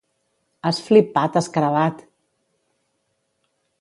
Has flipat, escarabat!